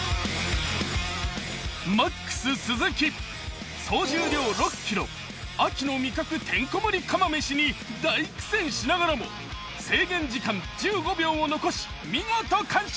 ＭＡＸ鈴木総重量６ｋｇ秋の味覚てんこ盛り釜飯に大苦戦しながらも制限時間１５秒を残し見事完食。